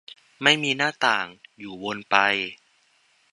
ไม่มีหน้าต่าง อยู่วนไป